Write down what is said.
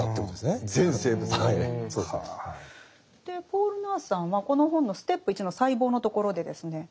ポール・ナースさんはこの本のステップ１の細胞のところでですね